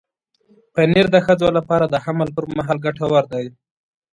پنېر د ښځو لپاره د حمل پر مهال ګټور دی.